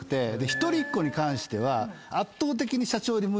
一人っ子に関しては圧倒的に。